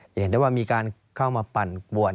เห็นได้ว่ามีการเข้ามาปั่นบวช